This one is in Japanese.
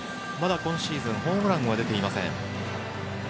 まだ今シーズンホームランは出ていません。